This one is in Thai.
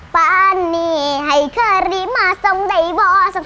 เป็นตาครับ